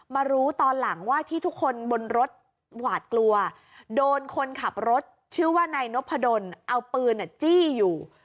มารู้ตอนหลังว่าที่ทุกคนบนรถหวาดกลัวโดนคนขับรถชื่อว่านายนพดลเอาปืนจี้อยู่